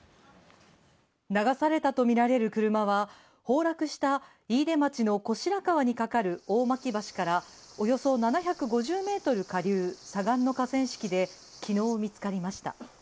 流されたとみられる車は、崩落した飯豊町の小白川にかかる大巻橋からおよそ７５０メートル下流左岸の河川敷で昨日見つかりました。